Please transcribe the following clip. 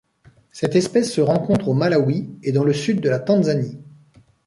Cette espèce se rencontre au Malawi et dans le sud de la Tanzanie.